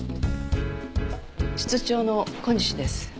室長の小西です。